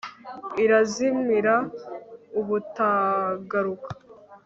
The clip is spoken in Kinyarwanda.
irazimira ubutagaruka